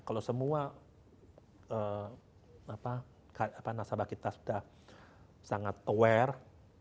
kalau semua nasabah kita sudah sangat aware